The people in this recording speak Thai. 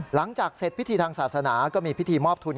หลังจากเสร็จพิธีทางศาสนาก็มีพิธีมอบทุน